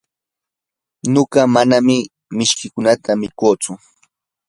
nuqa manam mishkiykunata mikutsu.